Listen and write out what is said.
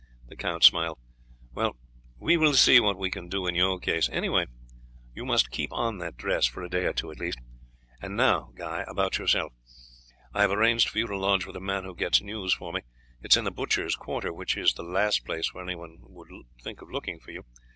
The count smiled. "Well, we will see what we can do in your case; anyhow, you must keep on that dress for a day or two. And now, Guy, about yourself. I have arranged for you to lodge with a man who gets news for me; it is in the butchers' quarter, which is the last place where anyone would think of looking for you.